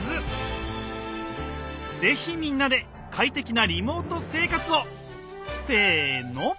是非みんなで快適なリモート生活をせの！